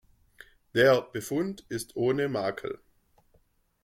Der Befund ist ohne Makel.